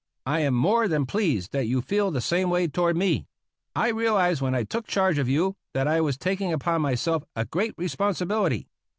I am more than pleased that you feel the same way toward me. I realized when I took charge of you that I was taking upon myself a great responsibility.